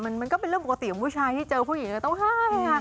มันก็เป็นเรื่องปกติของผู้ชายที่เจอผู้หญิงก็ต้องให้ค่ะ